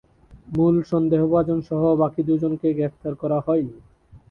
মূল সন্দেহভাজন সহ বাকি দুজনকে গ্রেপ্তার করা হয়নি।